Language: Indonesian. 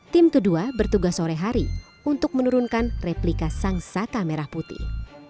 tim kedua bertugas sore hari untuk menurunkan replika sang saka merah putih